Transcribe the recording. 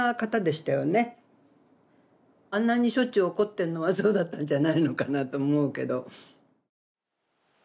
あんなにしょっちゅう怒ってんのはそうだったんじゃないのかなと思うけど。